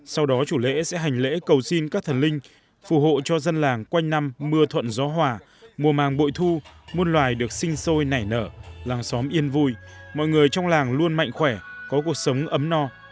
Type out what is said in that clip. sau đó chủ lễ sẽ hành lễ cầu xin các thần linh phù hộ cho dân làng quanh năm mưa thuận gió hòa mùa màng bội thu muôn loài được sinh sôi nảy nở làng xóm yên vui mọi người trong làng luôn mạnh khỏe có cuộc sống ấm no